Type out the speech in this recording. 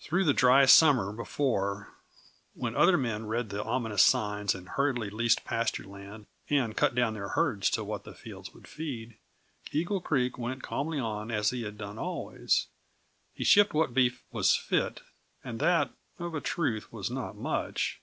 Through the dry summer before, when other men read the ominous signs and hurriedly leased pasture land and cut down their herds to what the fields would feed, Eagle Creek went calmly on as he had done always. He shipped what beef was fit and that, of a truth, was not much!